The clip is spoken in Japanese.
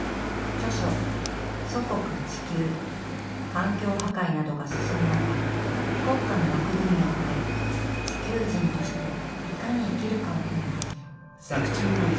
環境破壊などが進む中国家の枠組みを超え「地球人」としていかに生きるかを問います。